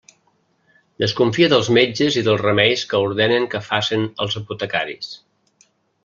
Desconfia dels metges i dels remeis que ordenen que facen els apotecaris.